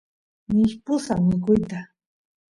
mishpusaq mikuyta